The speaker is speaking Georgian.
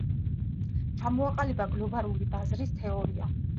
ჩამოაყალიბა „გლობალური ბაზრის“ თეორია.